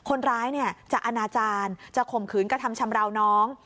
คนร้ายจะอนาจารย์จะข่มขืนกระทำชำราวน้อง